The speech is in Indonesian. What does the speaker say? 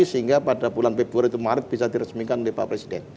sehingga pada bulan februari atau maret bisa diresmikan oleh pak presiden